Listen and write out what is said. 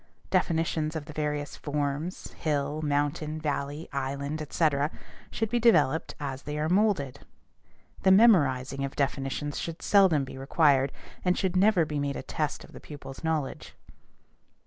Definitions of the various forms, hill, mountain, valley, island, etc., should be developed as they are molded. The memorizing of definitions should seldom be required, and should never be made a test of the pupil's knowledge.